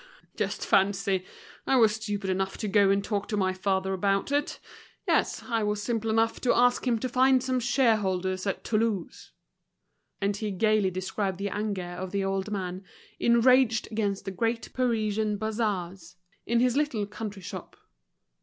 "Just fancy. I was stupid enough to go and talk to my father about it. Yes, I was simple enough to ask him to find some shareholders at Toulouse." And he gaily described the anger of the old man, enraged against the great Parisian bazaars, in his little country shop.